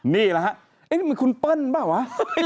นี่แหละฮะนี่มันคุณเปิ้ลเปล่าวะ